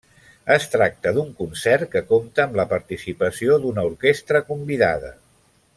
Es tracta d'un concert que compta amb la participació d'una orquestra convidada.